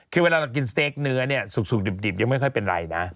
คือเวลาเรากินสเต๊กเนื้อเนี่ยสุกดิบยังไม่ค่อยเป็นไรนะ